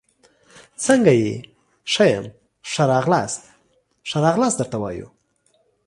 څنګه يي ، ښه يم، ښه راغلاست ، ښه راغلاست درته وایو